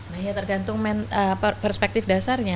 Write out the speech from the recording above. nah ya tergantung perspektif dasarnya